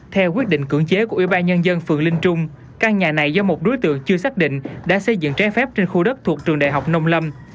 theo quyết định cưỡng chế của ủy ban nhân dân phường linh trung căn nhà này do một đối tượng chưa xác định đã xây dựng trái phép trên khu đất thuộc trường đại học nông lâm